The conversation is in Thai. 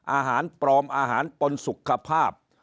อาหารปลอมอาหารปนสุขภาพ